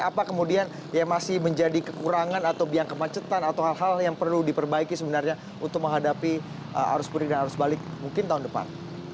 apa kemudian yang masih menjadi kekurangan atau biang kemacetan atau hal hal yang perlu diperbaiki sebenarnya untuk menghadapi arus mudik dan arus balik mungkin tahun depan